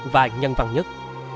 và nhân văn nhất